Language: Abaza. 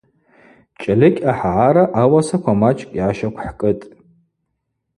Чӏльыкӏь ахӏагӏара ауасаква мачӏкӏ йгӏащаквхӏкӏытӏ.